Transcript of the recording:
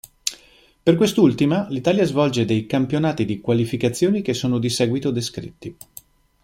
Per quest'ultima, l'Italia svolge dei campionati di qualificazione che sono di seguito descritti.